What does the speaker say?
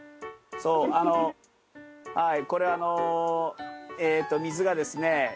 そうあのはいこれは水がですね